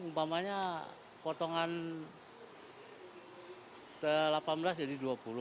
umpamanya potongan delapan belas jadi dua puluh